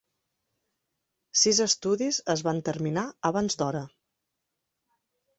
Sis estudis es van terminar abans d'hora.